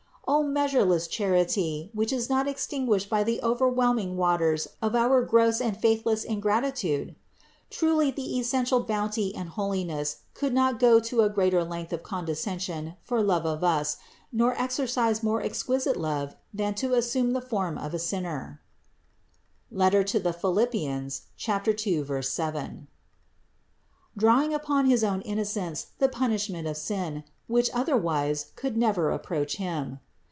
O meas ureless charity, which is not extinguished by the over whelming waters of our gross and faithless ingratitude! Truly the essential Bounty and Holiness could not go to a greater length of condescension for love of us, nor exercise more exquisite love than to assume the form of a sinner (Phil. 2, 7), drawing upon his own innocence the punishment of the sin, which otherwise could never approach Him.